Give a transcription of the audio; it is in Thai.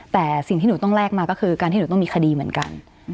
แต่สิ่งที่หนูต้องแลกมาก็คือการที่หนูต้องมีคดีเหมือนกัน